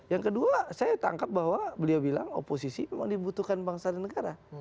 yang kedua saya tangkap bahwa beliau bilang oposisi memang dibutuhkan bangsa dan negara